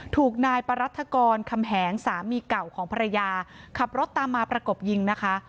ถูกนายปรัฐกรคำแหงสามีเก่าของภรรยาขับรถตามมาประกบยิงนะคะ